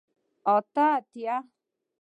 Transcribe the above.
اته اتیا